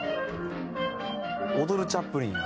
踊るチャップリンや。